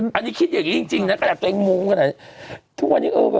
อันนี้คิดอยากเอาอย่างนี้จริงเดี๋ยว